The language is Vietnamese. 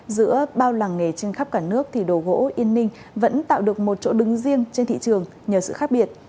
giữa bao làng nghề trên khắp cả nước thì đồ gỗ yên ninh vẫn tạo được một chỗ đứng riêng trên thị trường nhờ sự khác biệt